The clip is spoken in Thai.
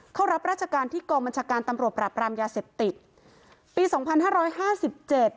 เข้ารับราชการที่กองบัญชาการตำรวจปรับรามยาเสพติดปีสองพันห้าร้อยห้าสิบเจ็ด